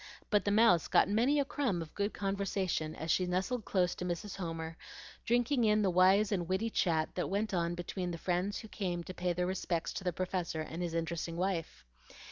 But the Mouse got many a crumb of good conversation as she nestled close to Mrs. Homer, drinking in the wise and witty chat that went on between the friends who came to pay their respects to the Professor and his interesting wife.